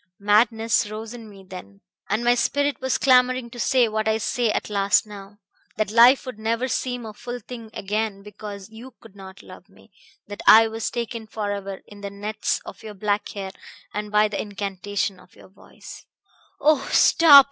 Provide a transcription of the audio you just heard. Madness rose in me then, and my spirit was clamoring to say what I say at last now that life would never seem a full thing again because you could not love me, that I was taken forever in the nets of your black hair and by the incantation of your voice " "Oh, stop!"